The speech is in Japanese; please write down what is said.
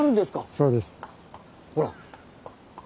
そうです。ほら！